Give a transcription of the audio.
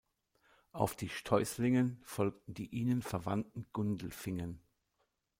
Auf die Steußlingen folgten die ihnen verwandten Gundelfingen.